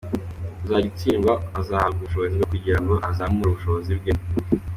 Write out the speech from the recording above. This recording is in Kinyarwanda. Uzajya utsindwa, azahabwa ubushobozi bwo kugira ngo azamure ubushobozi bwe.